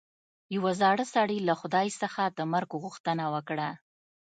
یوه زاړه سړي له خدای څخه د مرګ غوښتنه وکړه.